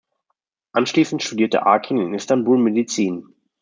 Anschließend studierte Arkin in Istanbul Medizin.